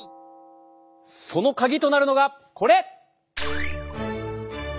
その鍵となるのがこれ！